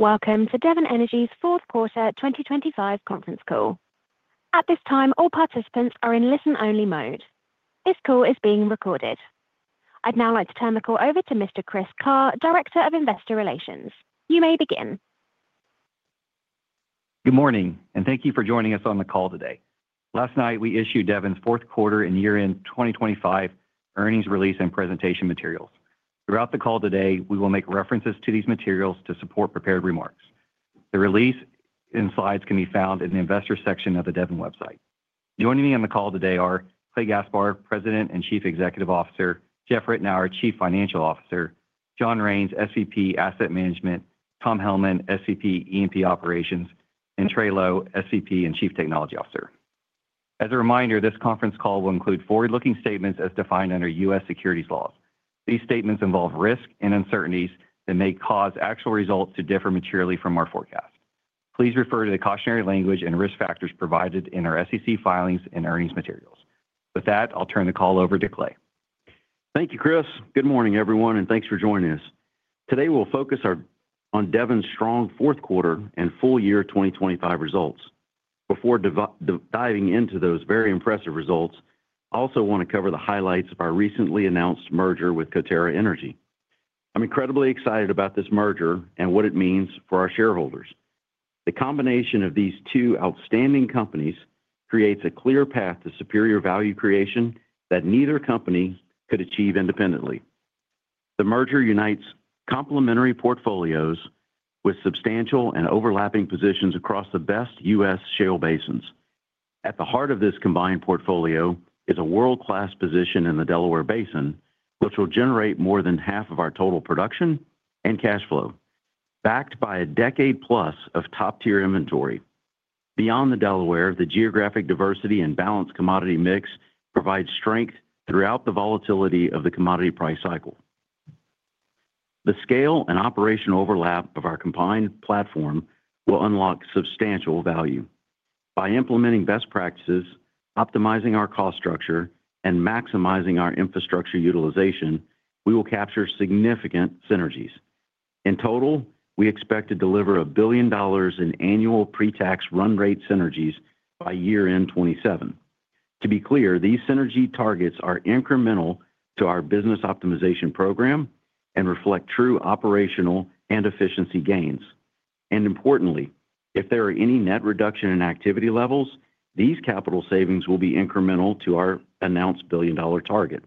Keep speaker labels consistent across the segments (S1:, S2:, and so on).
S1: Welcome to Devon Energy's Fourth Quarter 2025 Conference Call. At this time, all participants are in listen-only mode. This call is being recorded. I'd now like to turn the call over to Mr. Chris Carr, Director of Investor Relations. You may begin.
S2: Good morning, and thank you for joining us on the call today. Last night, we issued Devon's fourth quarter and year-end 2025 earnings release and presentation materials. Throughout the call today, we will make references to these materials to support prepared remarks. The release and slides can be found in the Investor section of the Devon website. Joining me on the call today are Clay Gaspar, President and Chief Executive Officer, Jeff Ritenour, our Chief Financial Officer, John Raines, SVP Asset Management, Tom Hellman, SVP E&P Operations, and Trey Lowe, SVP and Chief Technology Officer. As a reminder, this conference call will include forward-looking statements as defined under U.S. securities laws. These statements involve risks and uncertainties that may cause actual results to differ materially from our forecast. Please refer to the cautionary language and risk factors provided in our SEC filings and earnings materials. With that, I'll turn the call over to Clay.
S3: Thank you, Chris. Good morning, everyone, and thanks for joining us. Today, we'll focus on Devon's strong fourth quarter and full year 2025 results. Before diving into those very impressive results, I also want to cover the highlights of our recently announced merger with Coterra Energy. I'm incredibly excited about this merger and what it means for our shareholders. The combination of these two outstanding companies creates a clear path to superior value creation that neither company could achieve independently. The merger unites complementary portfolios with substantial and overlapping positions across the best U.S. shale basins. At the heart of this combined portfolio is a world-class position in the Delaware Basin, which will generate more than half of our total production and cash flow, backed by a decade plus of top-tier inventory. Beyond the Delaware, the geographic diversity and balanced commodity mix provide strength throughout the volatility of the commodity price cycle. The scale and operational overlap of our combined platform will unlock substantial value. By implementing best practices, optimizing our cost structure, and maximizing our infrastructure utilization, we will capture significant synergies. In total, we expect to deliver $1 billion in annual pre-tax run rate synergies by year-end 2027. To be clear, these synergy targets are incremental to our business optimization program and reflect true operational and efficiency gains. And importantly, if there are any net reduction in activity levels, these capital savings will be incremental to our announced billion-dollar target.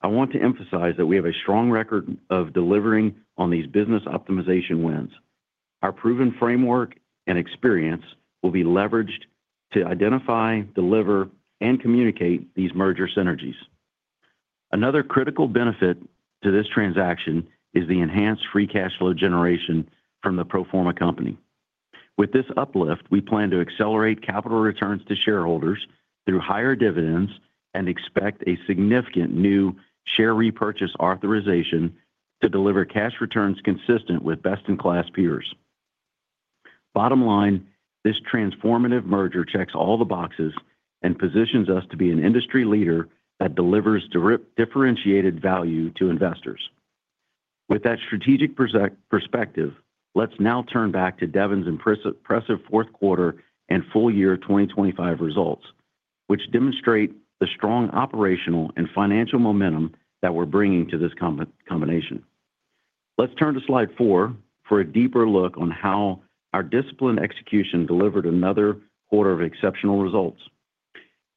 S3: I want to emphasize that we have a strong record of delivering on these business optimization wins. Our proven framework and experience will be leveraged to identify, deliver, and communicate these merger synergies. Another critical benefit to this transaction is the enhanced free cash flow generation from the pro forma company. With this uplift, we plan to accelerate capital returns to shareholders through higher dividends and expect a significant new share repurchase authorization to deliver cash returns consistent with best-in-class peers. Bottom line, this transformative merger checks all the boxes and positions us to be an industry leader that delivers differentiated value to investors. With that strategic perspective, let's now turn back to Devon's impressive fourth quarter and full year 2025 results, which demonstrate the strong operational and financial momentum that we're bringing to this combination. Let's turn to Slide 4 for a deeper look on how our disciplined execution delivered another quarter of exceptional results.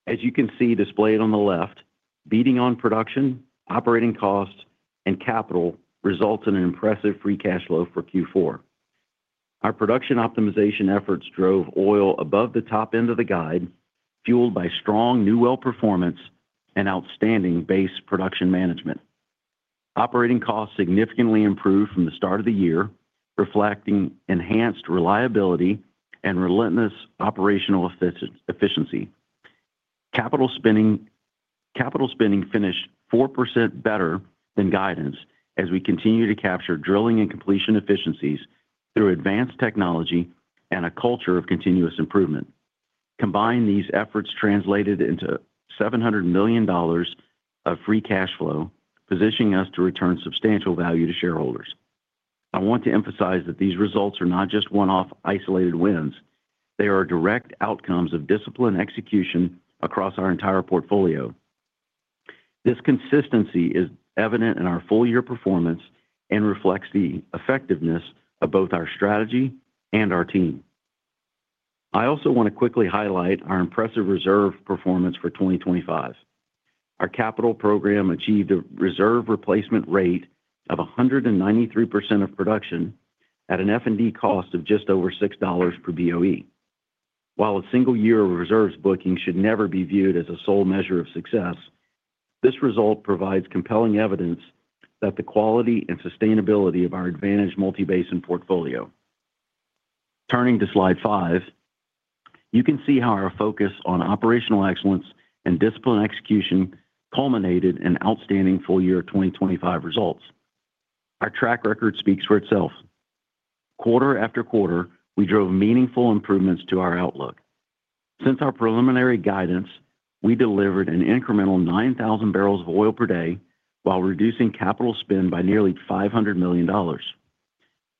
S3: As you can see displayed on the left, beating on production, operating costs, and capital results in an impressive free cash flow for Q4. Our production optimization efforts drove oil above the top end of the guide, fueled by strong new well performance and outstanding base production management. Operating costs significantly improved from the start of the year, reflecting enhanced reliability and relentless operational efficiency. Capital spending, capital spending finished 4% better than guidance as we continue to capture drilling and completion efficiencies through advanced technology and a culture of continuous improvement. Combine these efforts translated into $700 million of free cash flow, positioning us to return substantial value to shareholders. I want to emphasize that these results are not just one-off isolated wins. They are direct outcomes of disciplined execution across our entire portfolio. This consistency is evident in our full-year performance and reflects the effectiveness of both our strategy and our team. I also want to quickly highlight our impressive reserve performance for 2025. Our capital program achieved a reserve replacement rate of 193% of production at an F&D cost of just over $6 per BOE. While a single year of reserves booking should never be viewed as a sole measure of success, this result provides compelling evidence that the quality and sustainability of our advantage multi-basin portfolio. Turning to Slide 5, you can see how our focus on operational excellence and disciplined execution culminated in outstanding full year 2025 results. Our track record speaks for itself. Quarter after quarter, we drove meaningful improvements to our outlook.... Since our preliminary guidance, we delivered an incremental 9,000 bbls of oil per day while reducing capital spend by nearly $500 million.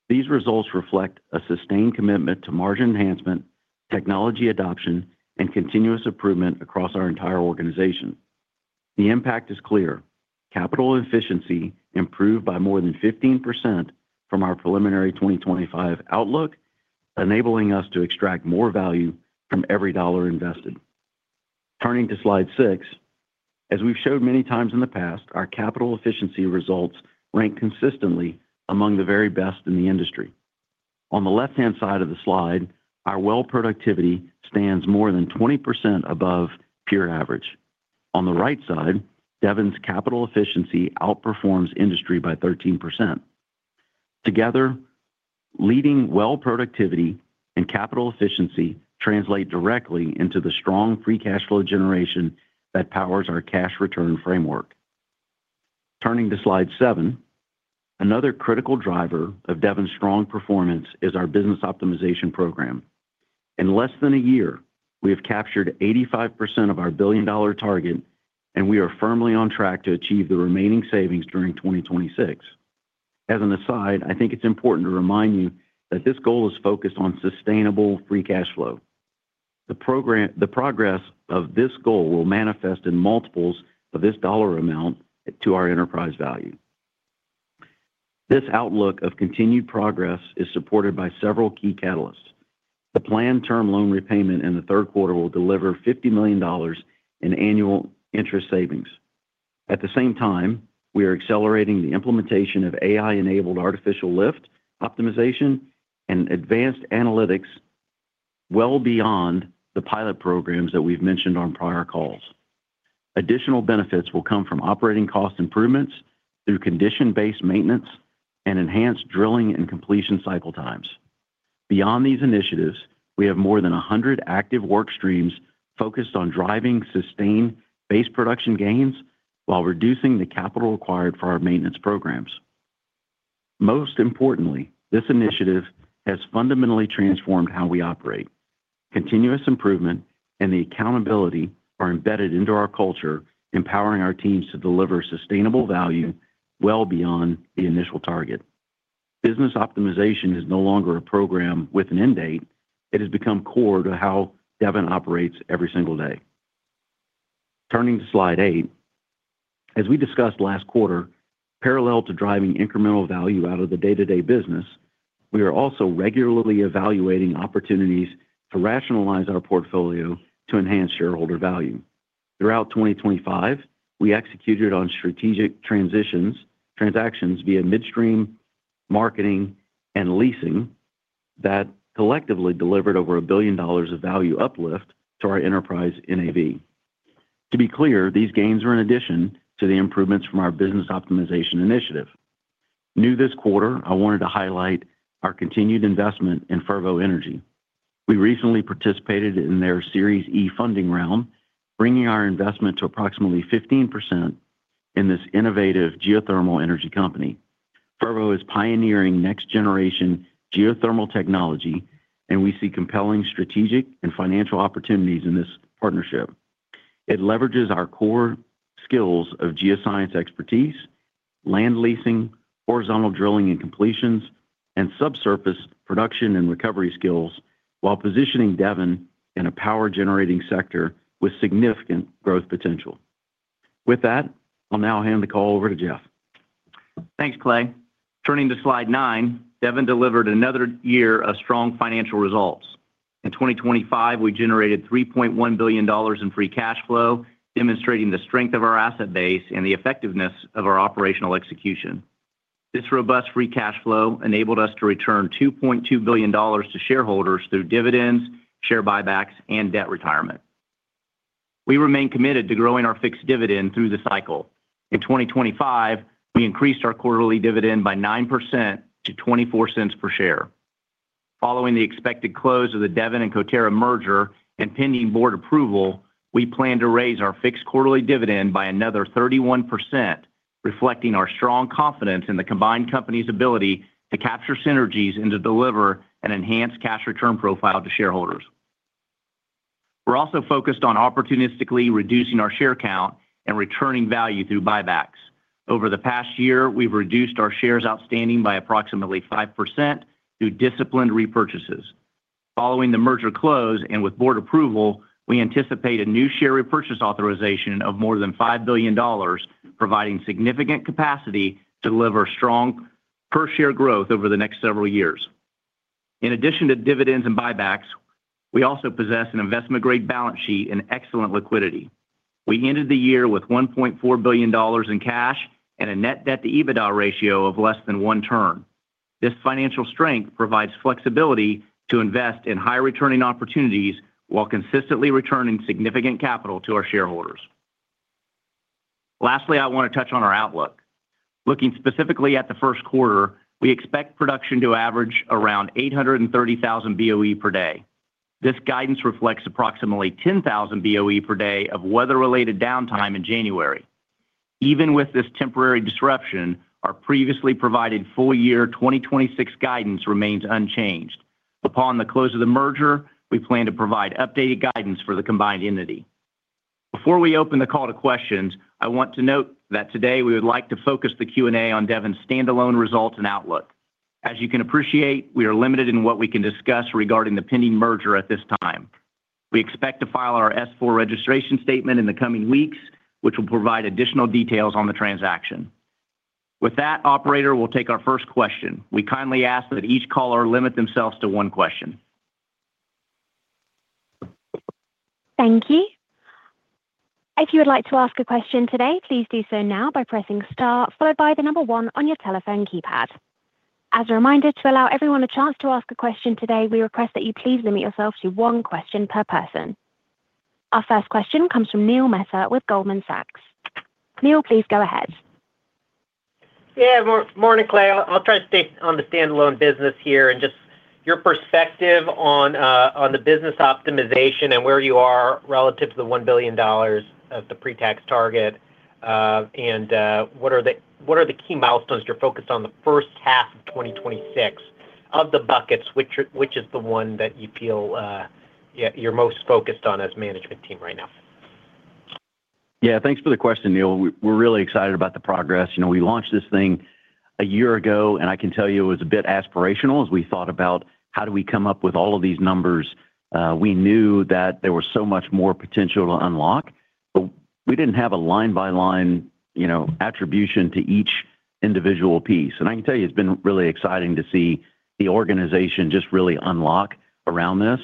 S3: These results reflect a sustained commitment to margin enhancement, technology adoption, and continuous improvement across our entire organization. The impact is clear. Capital efficiency improved by more than 15% from our preliminary 2025 outlook, enabling us to extract more value from every dollar invested. Turning to Slide 6, as we've showed many times in the past, our capital efficiency results rank consistently among the very best in the industry. On the left-hand side of the slide, our well productivity stands more than 20% above peer average. On the right side, Devon's capital efficiency outperforms industry by 13%. Together, leading well productivity and capital efficiency translate directly into the strong free cash flow generation that powers our cash return framework. Turning to Slide 7, another critical driver of Devon's strong performance is our business optimization program. In less than a year, we have captured 85% of our billion-dollar target, and we are firmly on track to achieve the remaining savings during 2026. As an aside, I think it's important to remind you that this goal is focused on sustainable free cash flow. The program, the progress of this goal will manifest in multiples of this dollar amount to our enterprise value. This outlook of continued progress is supported by several key catalysts. The planned term loan repayment in the third quarter will deliver $50 million in annual interest savings. At the same time, we are accelerating the implementation of AI-enabled artificial lift, optimization, and advanced analytics well beyond the pilot programs that we've mentioned on prior calls. Additional benefits will come from operating cost improvements through condition-based maintenance and enhanced drilling and completion cycle times. Beyond these initiatives, we have more than 100 active work streams focused on driving sustained base production gains while reducing the capital required for our maintenance programs. Most importantly, this initiative has fundamentally transformed how we operate. Continuous improvement and the accountability are embedded into our culture, empowering our teams to deliver sustainable value well beyond the initial target. Business optimization is no longer a program with an end date. It has become core to how Devon operates every single day. Turning to Slide 8, as we discussed last quarter, parallel to driving incremental value out of the day-to-day business, we are also regularly evaluating opportunities to rationalize our portfolio to enhance shareholder value. Throughout 2025, we executed on strategic transactions via midstream, marketing, and leasing that collectively delivered over $1 billion of value uplift to our enterprise NAV. To be clear, these gains are in addition to the improvements from our business optimization initiative. Now this quarter, I wanted to highlight our continued investment in Fervo Energy. We recently participated in their Series E funding round, bringing our investment to approximately 15% in this innovative geothermal energy company. Fervo is pioneering next-generation geothermal technology, and we see compelling strategic and financial opportunities in this partnership. It leverages our core skills of geoscience expertise, land leasing, horizontal drilling and completions, and subsurface production and recovery skills, while positioning Devon in a power-generating sector with significant growth potential. With that, I'll now hand the call over to Jeff.
S4: Thanks, Clay. Turning to Slide 9, Devon delivered another year of strong financial results. In 2025, we generated $3.1 billion in free cash flow, demonstrating the strength of our asset base and the effectiveness of our operational execution. This robust free cash flow enabled us to return $2.2 billion to shareholders through dividends, share buybacks, and debt retirement. We remain committed to growing our fixed dividend through the cycle. In 2025, we increased our quarterly dividend by 9% to $0.24 per share. Following the expected close of the Devon and Coterra merger and pending board approval, we plan to raise our fixed quarterly dividend by another 31%, reflecting our strong confidence in the combined company's ability to capture synergies and to deliver an enhanced cash return profile to shareholders. We're also focused on opportunistically reducing our share count and returning value through buybacks. Over the past year, we've reduced our shares outstanding by approximately 5% through disciplined repurchases. Following the merger close and with board approval, we anticipate a new share repurchase authorization of more than $5 billion, providing significant capacity to deliver strong per share growth over the next several years. In addition to dividends and buybacks, we also possess an investment-grade balance sheet and excellent liquidity. We ended the year with $1.4 billion in cash and a net debt to EBITDA ratio of less than one turn. This financial strength provides flexibility to invest in high-returning opportunities while consistently returning significant capital to our shareholders. Lastly, I want to touch on our outlook. Looking specifically at the first quarter, we expect production to average around 830,000 BOE per day. This guidance reflects approximately 10,000 BOE per day of weather-related downtime in January. Even with this temporary disruption, our previously provided full year 2026 guidance remains unchanged. Upon the close of the merger, we plan to provide updated guidance for the combined entity. Before we open the call to questions, I want to note that today we would like to focus the Q&A on Devon's standalone results and outlook. As you can appreciate, we are limited in what we can discuss regarding the pending merger at this time. We expect to file our S-4 registration statement in the coming weeks, which will provide additional details on the transaction. With that, operator, we'll take our first question. We kindly ask that each caller limit themselves to one question.
S1: Thank you. If you would like to ask a question today, please do so now by pressing star, followed by the number one on your telephone keypad. As a reminder, to allow everyone a chance to ask a question today, we request that you please limit yourself to one question per person. Our first question comes from Neil Mehta with Goldman Sachs. Neil, please go ahead.
S5: Yeah, Morning, Clay. I'll try to stay on the standalone business here and just your perspective on the business optimization and where you are relative to the $1 billion pre-tax target, and what are the key milestones you're focused on the first half of 2026? Of the buckets, which—which is the one that you feel, yeah, you're most focused on as management team right now?
S3: Yeah, thanks for the question, Neil. We, we're really excited about the progress. You know, we launched this thing a year ago, and I can tell you it was a bit aspirational as we thought about how do we come up with all of these numbers. We knew that there was so much more potential to unlock, but we didn't have a line-by-line, you know, attribution to each individual piece. And I can tell you, it's been really exciting to see the organization just really unlock around this.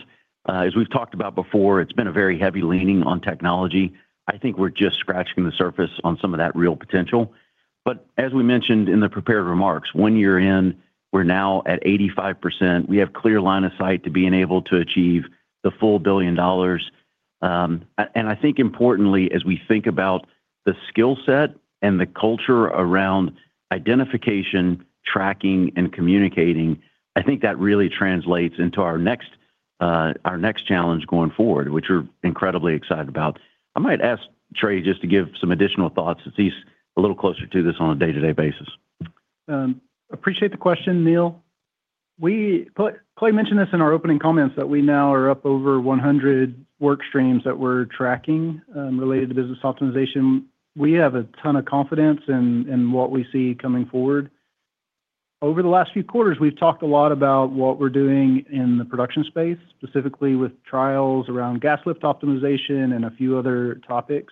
S3: As we've talked about before, it's been a very heavy leaning on technology. I think we're just scratching the surface on some of that real potential. But as we mentioned in the prepared remarks, one year in, we're now at 85%. We have clear line of sight to being able to achieve the full $1 billion. And I think importantly, as we think about the skill set and the culture around identification, tracking, and communicating, I think that really translates into our next, our next challenge going forward, which we're incredibly excited about. I might ask Trey just to give some additional thoughts, as he's a little closer to this on a day-to-day basis.
S6: Appreciate the question, Neil. Clay mentioned this in our opening comments, that we now are up over 100 work streams that we're tracking, related to business optimization. We have a ton of confidence in what we see coming forward. Over the last few quarters, we've talked a lot about what we're doing in the production space, specifically with trials around gas lift optimization and a few other topics.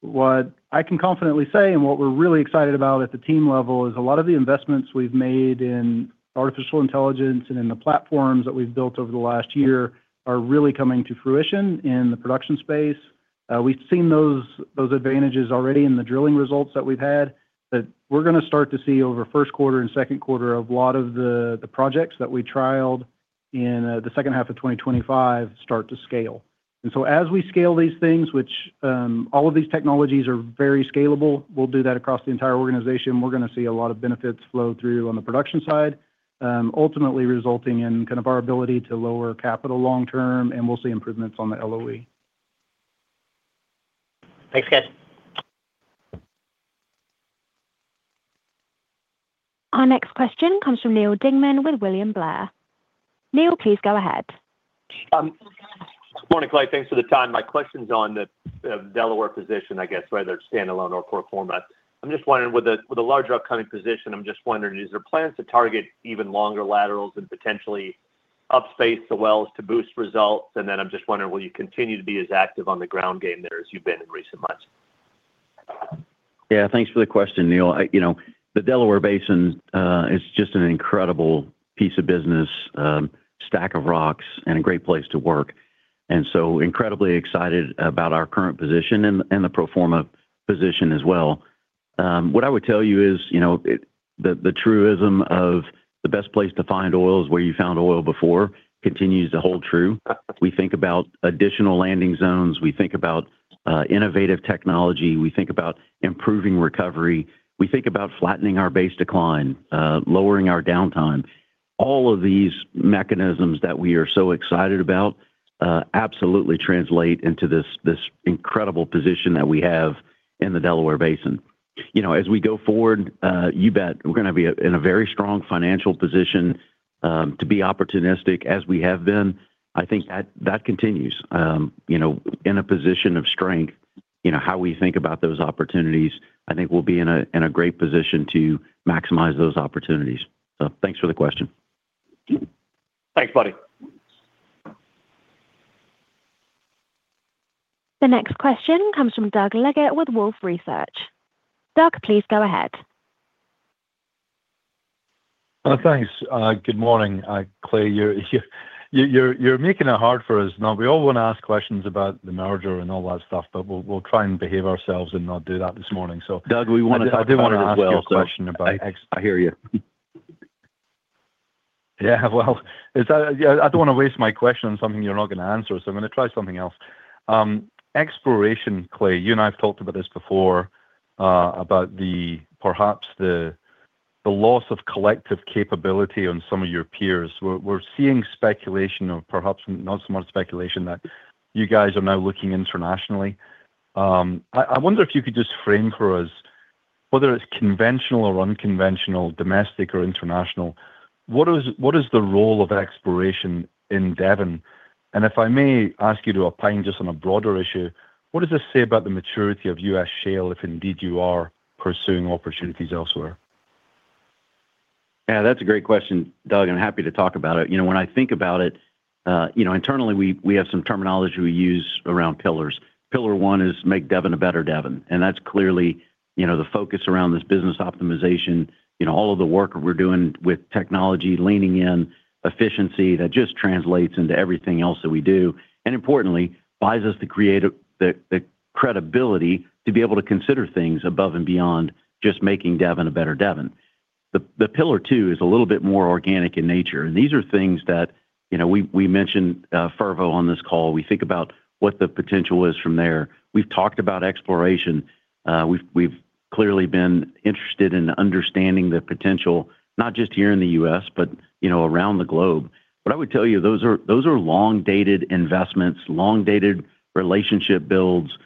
S6: What I can confidently say, and what we're really excited about at the team level, is a lot of the investments we've made in artificial intelligence and in the platforms that we've built over the last year are really coming to fruition in the production space. We've seen those advantages already in the drilling results that we've had that we're gonna start to see over first quarter and second quarter of a lot of the projects that we trialed in the second half of 2025 start to scale. And so as we scale these things, which all of these technologies are very scalable, we'll do that across the entire organization. We're gonna see a lot of benefits flow through on the production side, ultimately resulting in kind of our ability to lower capital long term, and we'll see improvements on the LOE.
S5: Thanks, guys.
S1: Our next question comes from Neal Dingmann with William Blair. Neil, please go ahead.
S7: Morning, Clay. Thanks for the time. My question's on the Delaware position, I guess, whether it's standalone or pro forma. I'm just wondering, with the larger upcoming position, I'm just wondering, is there plans to target even longer laterals and potentially upspace the wells to boost results? And then I'm just wondering, will you continue to be as active on the ground game there as you've been in recent months?
S3: Yeah, thanks for the question, Neal. You know, the Delaware Basin is just an incredible piece of business, stack of rocks, and a great place to work, and so incredibly excited about our current position and, and the pro forma position as well. What I would tell you is, you know, the truism of the best place to find oil is where you found oil before continues to hold true. We think about additional landing zones, we think about innovative technology, we think about improving recovery, we think about flattening our base decline, lowering our downtime. All of these mechanisms that we are so excited about absolutely translate into this, this incredible position that we have in the Delaware Basin. You know, as we go forward, you bet, we're gonna be in a very strong financial position to be opportunistic as we have been. I think that continues. You know, in a position of strength, you know, how we think about those opportunities, I think we'll be in a great position to maximize those opportunities. So thanks for the question.
S7: Thanks, buddy.
S1: The next question comes from Doug Leggate with Wolfe Research. Doug, please go ahead.
S8: Thanks. Good morning, Clay. You're making it hard for us. Now, we all want to ask questions about the merger and all that stuff, but we'll try and behave ourselves and not do that this morning. So-
S3: Doug, we wanna talk about it as well-
S8: I do want to ask you a question about-
S3: I hear you.
S8: Yeah, well, it's... Yeah, I don't want to waste my question on something you're not gonna answer, so I'm gonna try something else. Exploration, Clay, you and I have talked about this before, about perhaps the loss of collective capability on some of your peers. We're seeing speculation or perhaps not so much speculation that you guys are now looking internationally. I wonder if you could just frame for us, whether it's conventional or unconventional, domestic or international, what is the role of exploration in Devon? And if I may ask you to opine just on a broader issue, what does this say about the maturity of U.S. shale, if indeed you are pursuing opportunities elsewhere?
S3: Yeah, that's a great question, Doug, and I'm happy to talk about it. You know, when I think about it, you know, internally, we have some terminology we use around pillars. Pillar one is make Devon a better Devon, and that's clearly, you know, the focus around this business optimization. You know, all of the work we're doing with technology, leaning in efficiency, that just translates into everything else that we do, and importantly, buys us the creative, the credibility to be able to consider things above and beyond just making Devon a better Devon. The pillar two is a little bit more organic in nature, and these are things that, you know, we mentioned Fervo on this call. We think about what the potential is from there. We've talked about exploration. We've clearly been interested in understanding the potential, not just here in the U.S., but, you know, around the globe. But I would tell you, those are long-dated investments, long-dated relationship builds,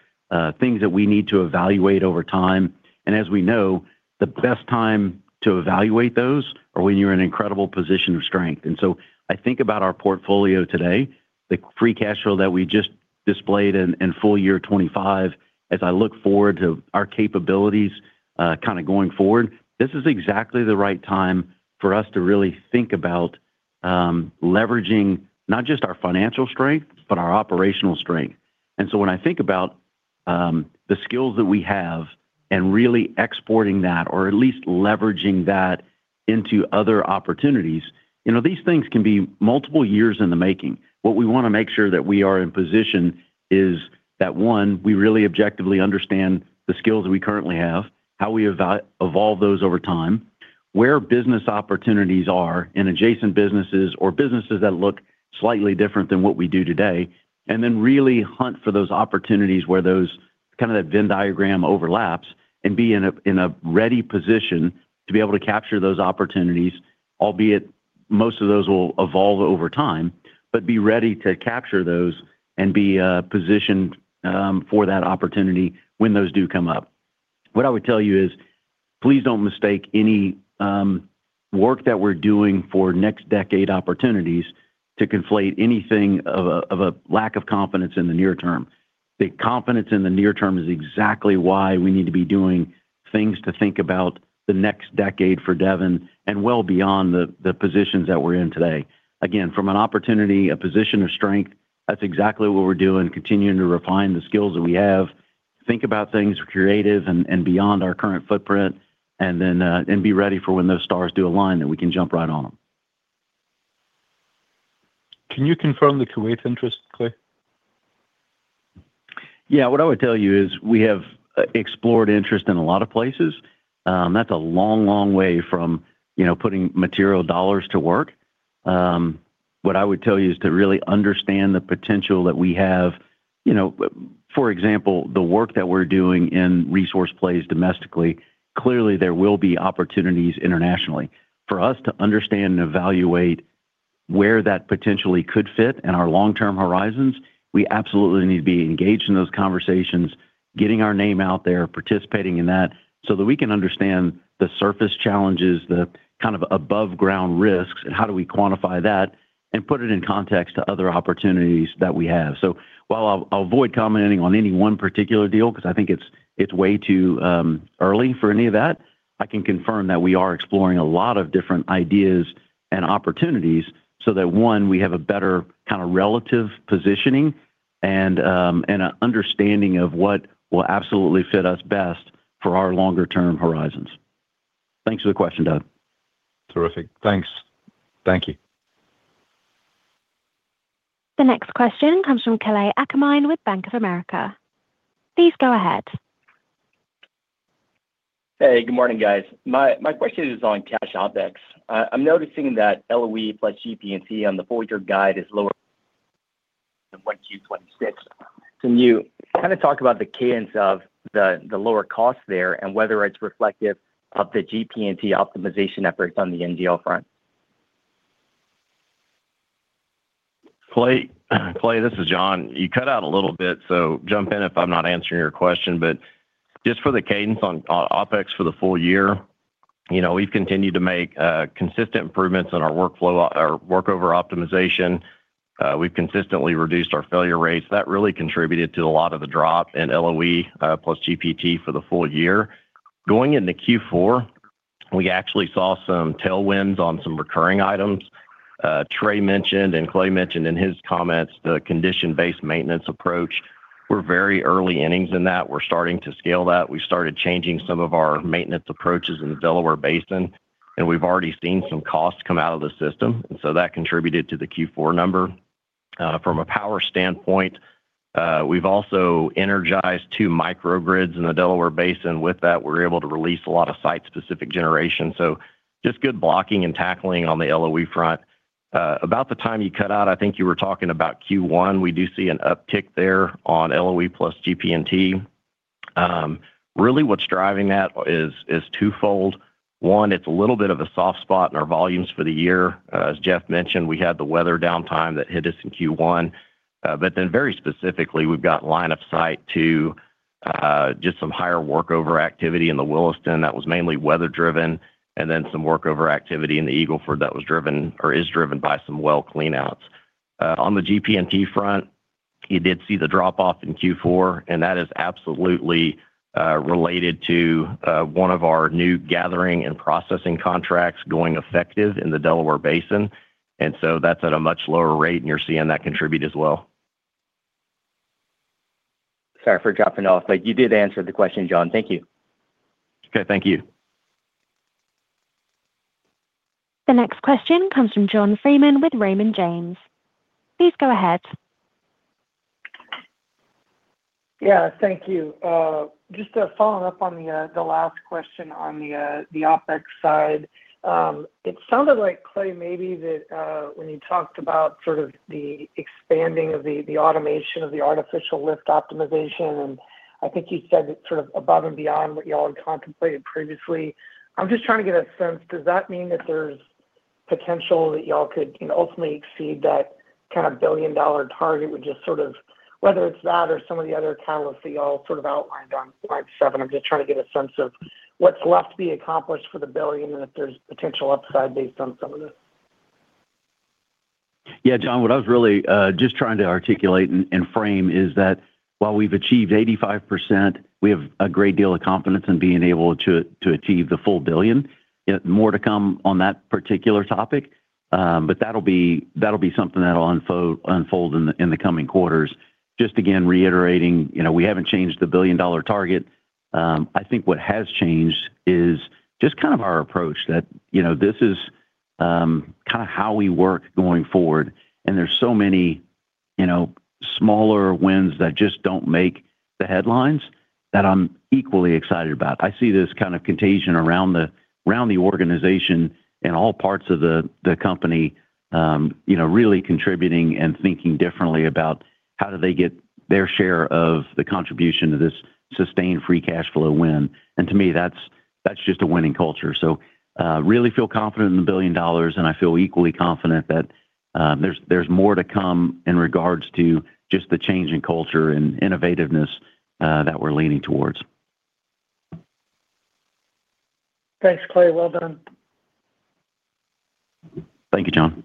S3: things that we need to evaluate over time. And as we know, the best time to evaluate those are when you're in an incredible position of strength. And so I think about our portfolio today, the free cash flow that we just displayed in full year 25, as I look forward to our capabilities, kind of going forward, this is exactly the right time for us to really think about, leveraging not just our financial strength, but our operational strength. And so when I think about the skills that we have and really exporting that or at least leveraging that into other opportunities, you know, these things can be multiple years in the making. What we want to make sure that we are in position is that, one, we really objectively understand the skills we currently have, how we evolve those over time, where business opportunities are in adjacent businesses or businesses that look slightly different than what we do today, and then really hunt for those opportunities where those kind of that Venn diagram overlaps, and be in a, in a ready position to be able to capture those opportunities, albeit most of those will evolve over time, but be ready to capture those and be positioned for that opportunity when those do come up. What I would tell you is, please don't mistake any work that we're doing for next decade opportunities to conflate anything of a lack of confidence in the near term. The confidence in the near term is exactly why we need to be doing things to think about the next decade for Devon and well beyond the positions that we're in today. Again, from an opportunity, a position of strength, that's exactly what we're doing, continuing to refine the skills that we have, think about things creative and beyond our current footprint, and then and be ready for when those stars do align, that we can jump right on them.
S8: Can you confirm the Kuwait interest, Clay?
S3: Yeah. What I would tell you is we have explored interest in a lot of places. That's a long, long way from, you know, putting material dollars to work. What I would tell you is to really understand the potential that we have. You know, for example, the work that we're doing in resource plays domestically, clearly, there will be opportunities internationally. For us to understand and evaluate where that potentially could fit in our long-term horizons, we absolutely need to be engaged in those conversations, getting our name out there, participating in that, so that we can understand the surface challenges, the kind of above-ground risks, and how do we quantify that and put it in context to other opportunities that we have. So while I'll, I'll avoid commenting on any one particular deal, because I think it's, it's way too early for any of that, I can confirm that we are exploring a lot of different ideas and opportunities so that, one, we have a better kind of relative positioning and, and a understanding of what will absolutely fit us best for our longer-term horizons. Thanks for the question, Doug.
S8: Terrific. Thanks. Thank you.
S1: The next question comes from Kalei Akamine with Bank of America. Please go ahead.
S9: Hey, good morning, guys. My, my question is on cash OpEx. I'm noticing that LOE plus GP&T on the full-year guide is lower than in 2026. Can you kind of talk about the cadence of the, the lower cost there and whether it's reflective of the GP&T optimization efforts on the NGL front?
S10: Kalei, Kalei, this is John. You cut out a little bit, so jump in if I'm not answering your question. But just for the cadence on OpEx for the full year, you know, we've continued to make consistent improvements in our workflow, or workover optimization. We've consistently reduced our failure rates. That really contributed to a lot of the drop in LOE, plus GP&T for the full year. Going into Q4, we actually saw some tailwinds on some recurring items. Trey mentioned, and Clay mentioned in his comments, the condition-based maintenance approach. We're very early innings in that. We're starting to scale that. We've started changing some of our maintenance approaches in the Delaware Basin, and we've already seen some costs come out of the system, and so that contributed to the Q4 number. From a power standpoint, we've also energized two microgrids in the Delaware Basin. With that, we're able to release a lot of site-specific generation. So just good blocking and tackling on the LOE front. About the time you cut out, I think you were talking about Q1. We do see an uptick there on LOE plus GP&T. Really, what's driving that is 2x. One, it's a little bit of a soft spot in our volumes for the year. As Jeff mentioned, we had the weather downtime that hit us in Q1. But then very specifically, we've got line of sight to just some higher workover activity in the Williston. That was mainly weather-driven, and then some workover activity in the Eagle Ford that was driven or is driven by some well cleanouts. On the GP&T front, you did see the drop-off in Q4, and that is absolutely related to one of our new gathering and processing contracts going effective in the Delaware Basin. That's at a much lower rate, and you're seeing that contribute as well.
S9: Sorry for dropping off, but you did answer the question, John. Thank you.
S10: Okay, thank you.
S1: The next question comes from John Freeman with Raymond James. Please go ahead.
S11: Yeah, thank you. Just following up on the last question on the OpEx side, it sounded like, Clay, maybe that when you talked about sort of the expanding of the automation of the artificial lift optimization, and I think you said it sort of above and beyond what y'all had contemplated previously. I'm just trying to get a sense, does that mean that there's potential that y'all could, you know, ultimately exceed that kind of billion-dollar target, just sort of whether it's that or some of the other catalysts that y'all sort of outlined on slide seven? I'm just trying to get a sense of what's left to be accomplished for the billion and if there's potential upside based on some of this.
S3: Yeah, John, what I was really just trying to articulate and frame is that while we've achieved 85%, we have a great deal of confidence in being able to achieve the full $1 billion. Yet more to come on that particular topic, but that'll be something that'll unfold in the coming quarters. Just again, reiterating, you know, we haven't changed the billion-dollar target. I think what has changed is just kind of our approach that, you know, this is kind of how we work going forward, and there's so many, you know, smaller wins that just don't make the headlines that I'm equally excited about. I see this kind of contagion around the organization in all parts of the company, you know, really contributing and thinking differently about how do they get their share of the contribution to this sustained free cash flow win. And to me, that's just a winning culture. So, really feel confident in the $1 billion, and I feel equally confident that there's more to come in regards to just the change in culture and innovativeness that we're leaning towards.
S11: Thanks, Clay. Well done.
S3: Thank you, John.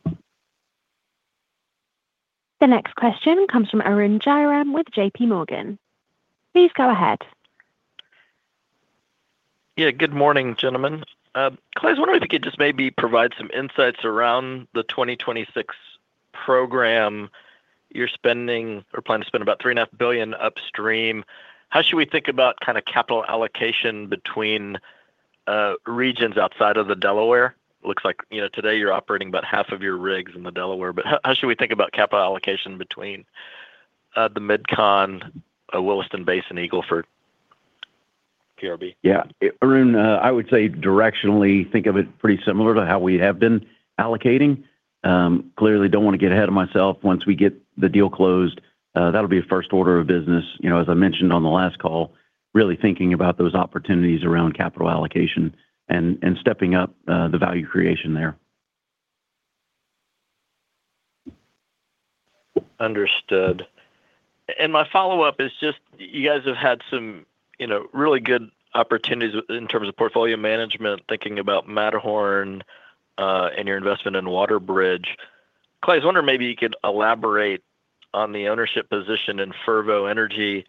S1: The next question comes from Arun Jayaram with JP Morgan. Please go ahead.
S12: Yeah. Good morning, gentlemen. Clay, I was wondering if you could just maybe provide some insights around the 2026 program. You're spending or plan to spend about $3.5 billion upstream. How should we think about kind of capital allocation between regions outside of the Delaware? It looks like, you know, today you're operating about half of your rigs in the Delaware, but how should we think about capital allocation between the MidCon, Williston Basin, Eagle Ford, PRB?
S3: Yeah. Arun, I would say directionally, think of it pretty similar to how we have been allocating. Clearly, don't want to get ahead of myself. Once we get the deal closed, that'll be a first order of business. You know, as I mentioned on the last call, really thinking about those opportunities around capital allocation and stepping up the value creation there.
S12: Understood. My follow-up is just, you guys have had some, you know, really good opportunities in terms of portfolio management, thinking about Matterhorn, and your investment in WaterBridge. Clay, I was wondering maybe you could elaborate on the ownership position in Fervo Energy.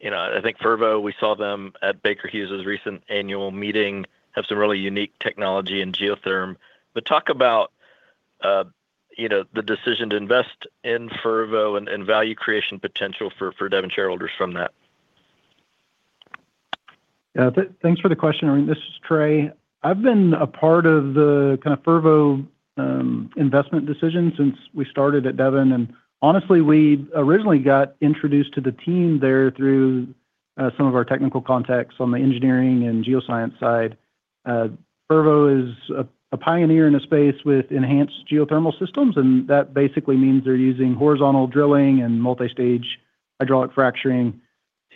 S12: You know, I think Fervo, we saw them at Baker Hughes's recent annual meeting, have some really unique technology in geothermal. But talk about, you know, the decision to invest in Fervo and, and value creation potential for, for Devon shareholders from that.
S6: Thanks for the question, Arun. This is Trey. I've been a part of the kind of Fervo investment decision since we started at Devon, and honestly, we originally got introduced to the team there through some of our technical contacts on the engineering and geoscience side. Fervo is a pioneer in a space with enhanced geothermal systems, and that basically means they're using horizontal drilling and multi-stage hydraulic fracturing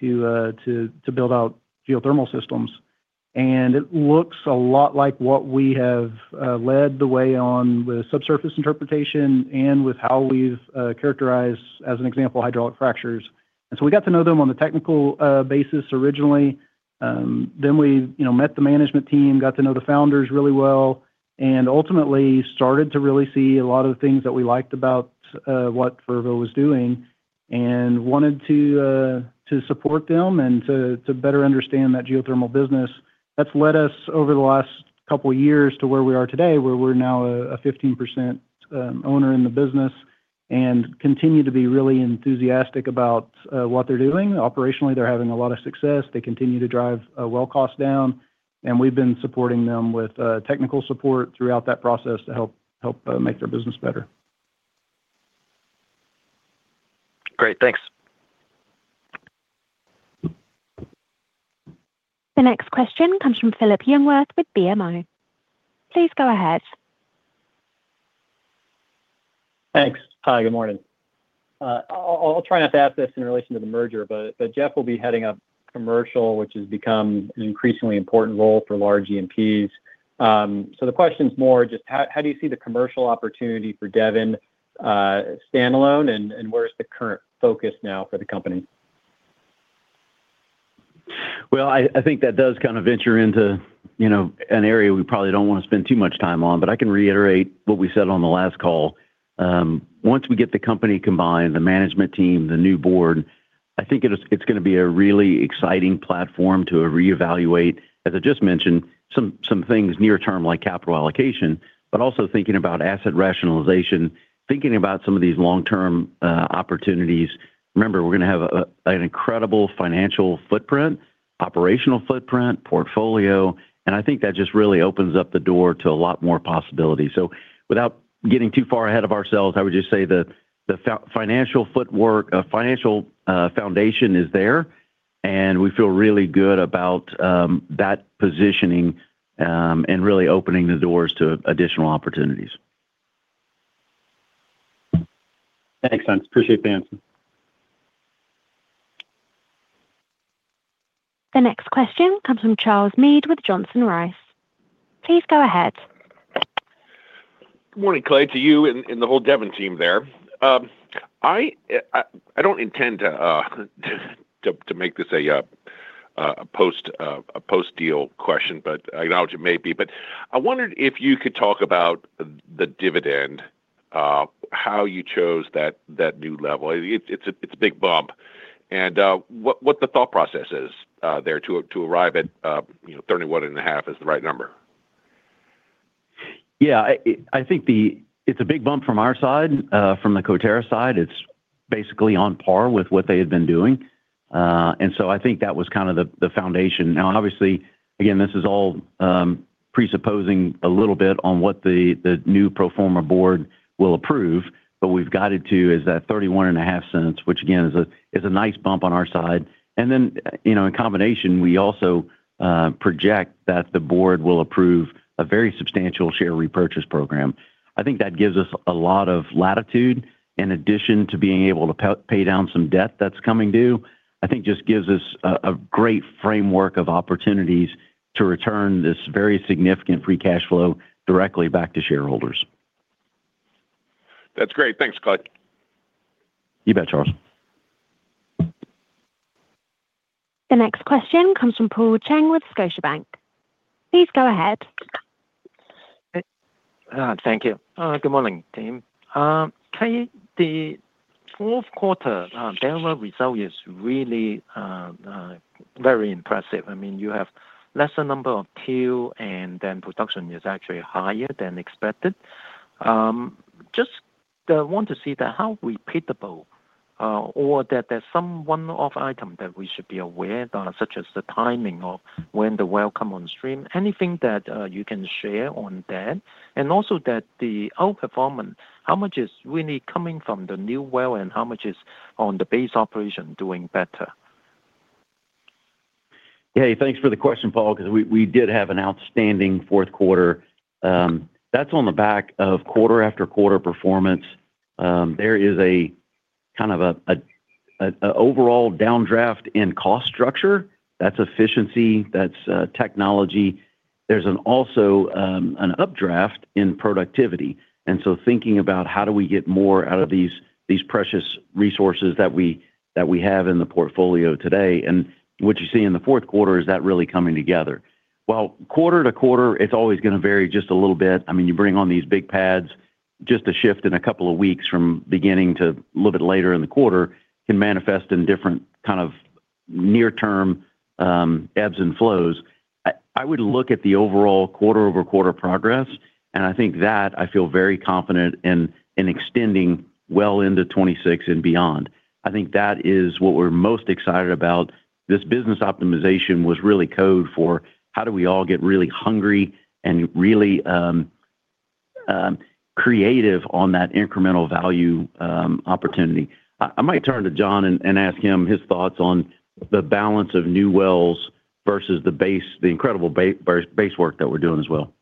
S6: to build out geothermal systems. And it looks a lot like what we have led the way on with subsurface interpretation and with how we've characterized, as an example, hydraulic fractures. And so we got to know them on a technical basis originally. Then we, you know, met the management team, got to know the founders really well, and ultimately started to really see a lot of the things that we liked about what Fervo was doing, and wanted to support them and to better understand that geothermal business. That's led us over the last couple of years to where we are today, where we're now a 15% owner in the business and continue to be really enthusiastic about what they're doing. Operationally, they're having a lot of success. They continue to drive well cost down, and we've been supporting them with technical support throughout that process to help make their business better.
S12: Great. Thanks.
S1: The next question comes from Philip Jungwirth with BMO. Please go ahead.
S13: Thanks. Hi, good morning. I'll try not to ask this in relation to the merger, but Jeff will be heading up commercial, which has become an increasingly important role for large E&Ps. So the question is more just how do you see the commercial opportunity for Devon, standalone, and where's the current focus now for the company?
S3: Well, I think that does kind of venture into, you know, an area we probably don't wanna spend too much time on, but I can reiterate what we said on the last call. Once we get the company combined, the management team, the new board, I think it is, it's gonna be a really exciting platform to reevaluate, as I just mentioned, some things near term, like capital allocation, but also thinking about asset rationalization, thinking about some of these long-term opportunities. Remember, we're gonna have an incredible financial footprint, operational footprint, portfolio, and I think that just really opens up the door to a lot more possibilities. So without getting too far ahead of ourselves, I would just say the financial footwork, financial foundation is there, and we feel really good about that positioning, and really opening the doors to additional opportunities.
S13: Thanks, guys. Appreciate the answer.
S1: The next question comes from Charles Meade with Johnson Rice. Please go ahead.
S14: Good morning, Clay, to you and the whole Devon team there. I don't intend to make this a post-deal question, but I acknowledge it may be. But I wondered if you could talk about the dividend, how you chose that new level. It's a big bump, and what the thought process is there to arrive at, you know, $31.5 is the right number.
S3: Yeah, I think it's a big bump from our side. From the Coterra side, it's basically on par with what they had been doing, and so I think that was kind of the foundation. Now, obviously, again, this is all presupposing a little bit on what the new pro forma board will approve, but we've guided to is that $0.315, which again, is a nice bump on our side. And then, you know, in combination, we also project that the board will approve a very substantial share repurchase program. I think that gives us a lot of latitude, in addition to being able to pay down some debt that's coming due. I think just gives us a great framework of opportunities to return this very significant free cash flow directly back to shareholders.
S14: That's great. Thanks, Clay.
S3: You bet, Charles.
S1: The next question comes from Paul Cheng with Scotiabank. Please go ahead.
S15: Thank you. Good morning, team. Clay, the fourth quarter Delaware result is really very impressive. I mean, you have lesser number of tier, and then production is actually higher than expected. Just want to see that how repeatable or that there's some one-off item that we should be aware of, such as the timing of when the well come on stream. Anything that you can share on that? And also that the outperformance, how much is really coming from the new well, and how much is on the base operation doing better?
S3: Hey, thanks for the question, Paul, because we did have an outstanding fourth quarter. That's on the back of quarter after quarter performance. There is a kind of overall downdraft in cost structure. That's efficiency, that's technology. There's also an updraft in productivity, and so thinking about how do we get more out of these precious resources that we have in the portfolio today, and what you see in the fourth quarter is that really coming together. Well, quarter to quarter, it's always gonna vary just a little bit. I mean, you bring on these big pads, just a shift in a couple of weeks from beginning to a little bit later in the quarter can manifest in different kind of near-term ebbs and flows. I would look at the overall quarter-over-quarter progress, and I think that I feel very confident in extending well into 2026 and beyond. I think that is what we're most excited about. This business optimization was really code for: How do we all get really hungry and really creative on that incremental value opportunity? I might turn to John and ask him his thoughts on the balance of new wells versus the base, the incredible base work that we're doing as well.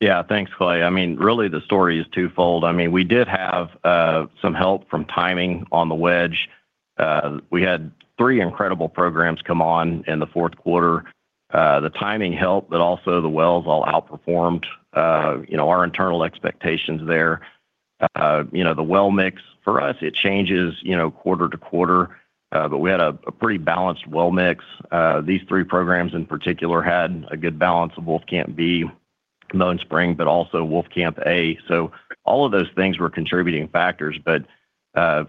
S10: Yeah. Thanks, Clay. I mean, really, the story is twofold. I mean, we did have some help from timing on the wedge. We had three incredible programs come on in the fourth quarter. The timing helped, but also the wells all outperformed, you know, our internal expectations there. You know, the well mix for us, it changes, you know, quarter to quarter, but we had a pretty balanced well mix. These three programs, in particular, had a good balance of Wolfcamp B, Bone Spring, but also Wolfcamp A. So all of those things were contributing factors, but,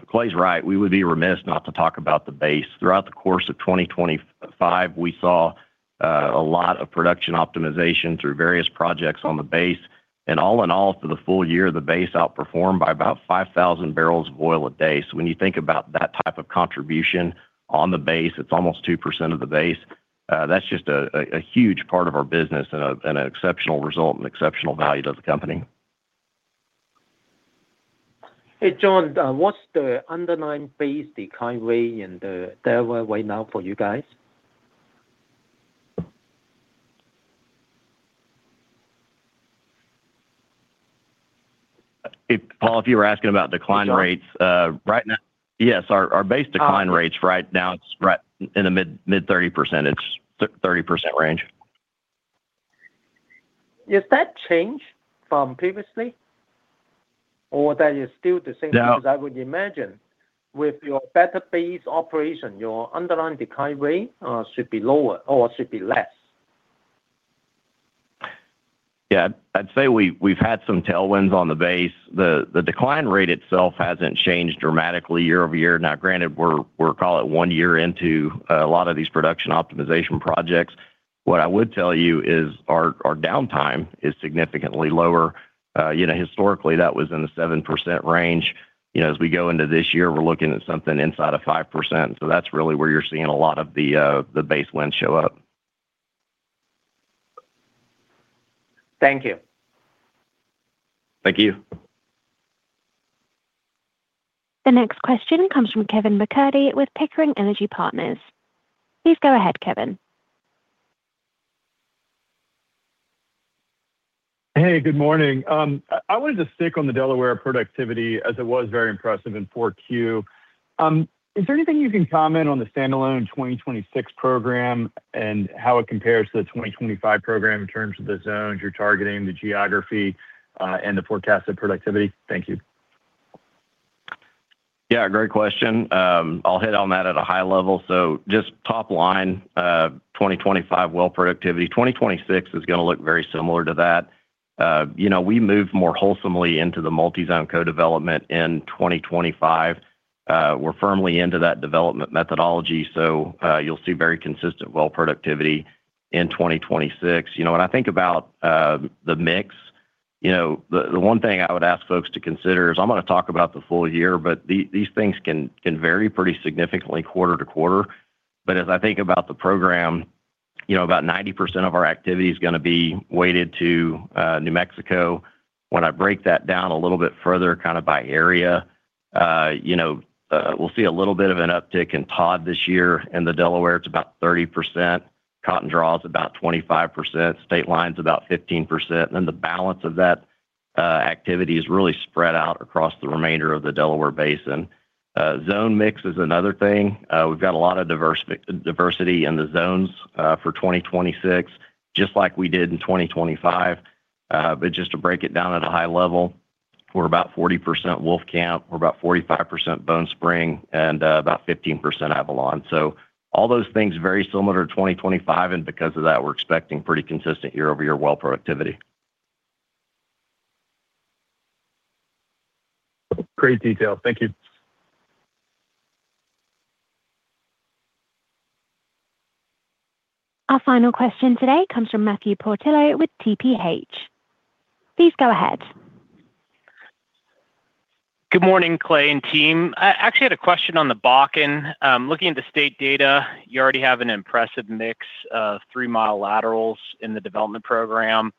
S10: Clay's right, we would be remiss not to talk about the base. Throughout the course of 2025, we saw a lot of production optimization through various projects on the base, and all in all, for the full year, the base outperformed by about 5,000 bbls of oil a day. So when you think about that type of contribution on the base, it's almost 2% of the base. That's just a huge part of our business and an exceptional result and exceptional value to the company.
S15: Hey, John, what's the underlying base decline rate in the Delaware right now for you guys?
S10: If, Paul, if you were asking about decline rates, right now, yes, our base decline rates right now, it's right in the mid-30%. It's 30% range.
S15: Does that change from previously, or that is still the same?
S10: No.
S15: Because I would imagine with your better base operation, your underlying decline rate should be lower or should be less.
S10: Yeah, I'd say we, we've had some tailwinds on the base. The decline rate itself hasn't changed dramatically year-over-year. Now, granted, we're call it one year into a lot of these production optimization projects. What I would tell you is our downtime is significantly lower. You know, historically, that was in the 7% range. You know, as we go into this year, we're looking at something inside of 5%. So that's really where you're seeing a lot of the base winds show up.
S15: Thank you.
S10: Thank you.
S1: The next question comes from Kevin McCurdy with Pickering Energy Partners. Please go ahead, Kevin.
S16: Hey, good morning. I wanted to stick on the Delaware productivity as it was very impressive in Q4. Is there anything you can comment on the standalone 2026 program and how it compares to the 2025 program in terms of the zones you're targeting, the geography, and the forecasted productivity? Thank you.
S10: Yeah, great question. I'll hit on that at a high level. So just top line, 2025 well productivity. 2026 is gonna look very similar to that. You know, we moved more wholesomely into the multi-zone co-development in 2025. We're firmly into that development methodology, so you'll see very consistent well productivity in 2026. You know, when I think about the mix, you know, the one thing I would ask folks to consider is I'm gonna talk about the full year, but these things can vary pretty significantly quarter to quarter. But as I think about the program, you know, about 90% of our activity is gonna be weighted to New Mexico. When I break that down a little bit further, kind of by area, you know, we'll see a little bit of an uptick in Todd this year. In the Delaware, it's about 30%, Cotton Draw is about 25%, Stateline is about 15%, then the balance of that activity is really spread out across the remainder of the Delaware Basin. Zone mix is another thing. We've got a lot of diversity in the zones for 2026, just like we did in 2025. But just to break it down at a high level, we're about 40% Wolfcamp, we're about 45% Bone Spring, and about 15% Avalon. So all those things, very similar to 2025, and because of that, we're expecting pretty consistent year-over-year well productivity.
S16: Great detail. Thank you.
S1: Our final question today comes from Matthew Portillo with TPH. Please go ahead.
S17: Good morning, Clay and team. I actually had a question on the Bakken. Looking at the state data, you already have an impressive mix of three-mile laterals in the development program.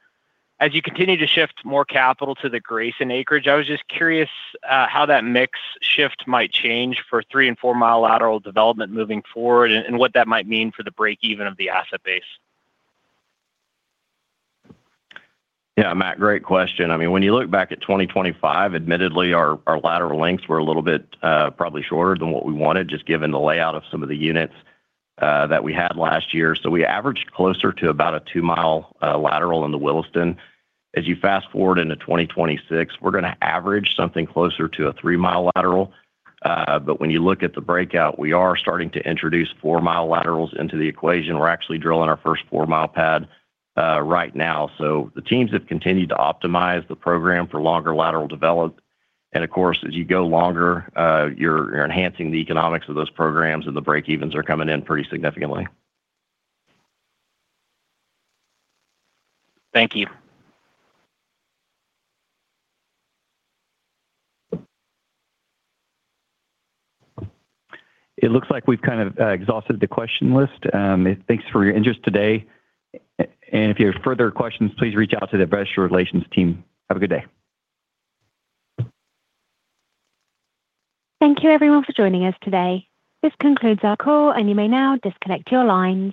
S17: As you continue to shift more capital to the Grayson acreage, I was just curious how that mix shift might change for three- and four-mile lateral development moving forward, and what that might mean for the breakeven of the asset base.
S10: Yeah, Matt, great question. I mean, when you look back at 2025, admittedly, our, our lateral lengths were a little bit, probably shorter than what we wanted, just given the layout of some of the units, that we had last year. So we averaged closer to about a 2-mile lateral in the Williston. As you fast forward into 2026, we're gonna average something closer to a 3-mile lateral. But when you look at the breakout, we are starting to introduce 4-mile laterals into the equation. We're actually drilling our first 4-mile pad right now. So the teams have continued to optimize the program for longer lateral develop. And of course, as you go longer, you're, you're enhancing the economics of those programs, and the breakevens are coming in pretty significantly.
S17: Thank you.
S2: It looks like we've kind of exhausted the question list. Thanks for your interest today. And if you have further questions, please reach out to the investor relations team. Have a good day.
S1: Thank you everyone for joining us today. This concludes our call, and you may now disconnect your lines.